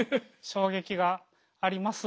衝撃があります。